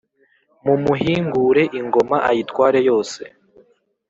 Mumuhingure ingoma ayitware yose